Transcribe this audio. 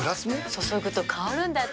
注ぐと香るんだって。